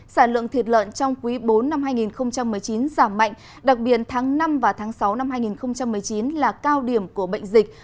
sản lượng thịt lợn trong quý bốn năm hai nghìn một mươi chín giảm mạnh đặc biệt tháng năm và tháng sáu năm hai nghìn một mươi chín là cao điểm của bệnh dịch